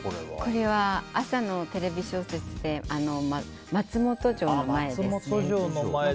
これは朝のテレビ小説で松本城の前ですね。